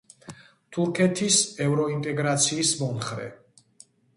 თურქეთის ევროინტეგრაციის მომხრე.